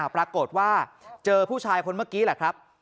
ปรากฏว่าเจอผู้ชายคนเมื่อกี้แหละครับ